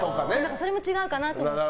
それも違うかなと思って。